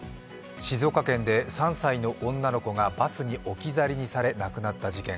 静岡県で３歳の女の子がバスに置き去りにされ亡くなった事件。